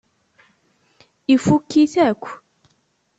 Ifukk-it akk.